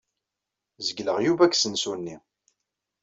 Zegleɣ Yuba deg usensu-nni.